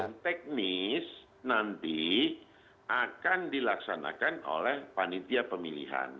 nah teknis nanti akan dilaksanakan oleh panitia pemilihan